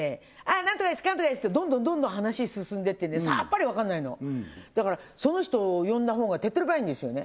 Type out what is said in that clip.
「何とかですかんとかです」ってどんどんどんどん話進んでいってさっぱりわかんないのだからその人を呼んだ方が手っ取り早いんですよね